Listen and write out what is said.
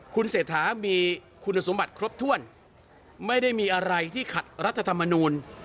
คุณเศรษฐามีคุณสมบัติครบถ้วนไม่ได้มีอะไรที่ขัดรัฐธรรมนูล